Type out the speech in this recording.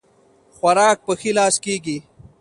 خوراک په ښي لاس کيږي